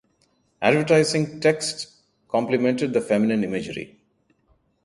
Advertising text complemented the feminine imagery.